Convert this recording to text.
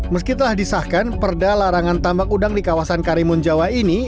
meskitalah disahkan perda larangan tambak undang di kawasan karimun jawa ini